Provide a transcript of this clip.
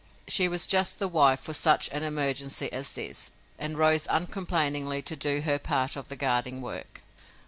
She was just the wife for such an emergency as this, and rose uncomplainingly to do her part of the guarding work.